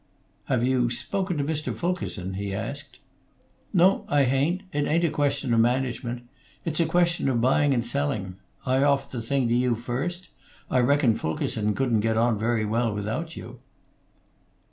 "Have you spoken to Mr. Fulkerson?" he asked. "No, I hain't. It ain't a question of management. It's a question of buying and selling. I offer the thing to you first. I reckon Fulkerson couldn't get on very well without you."